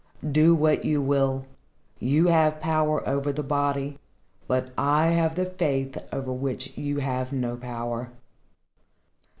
"Do what you will, you have power over the body, but I have the Faith over which you have no power."